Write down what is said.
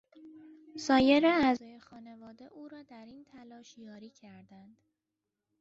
سایر اعضای خانواده او را در این تلاش یاری کردند.